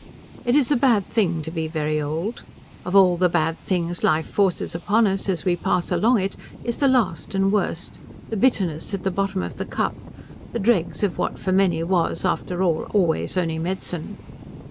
It is a bad thing to be very old. Of all the bad things life forces upon us as we pass along it is the last and worst the bitterness at the bottom of the cup, the dregs of what for many was after all always only medicine.